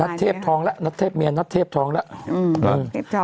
เทพทองแล้วนัดเทพเมียนัทเทพทองแล้ว